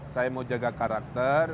saya mau jaga karakter